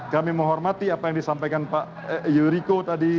kami menghormati apa yang disampaikan pak yuriko tadi